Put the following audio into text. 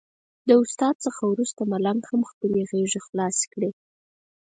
د استاد څخه وروسته ملنګ هم خپلې غېږې خلاصې کړې.